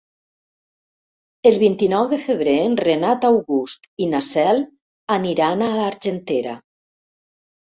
El vint-i-nou de febrer en Renat August i na Cel aniran a l'Argentera.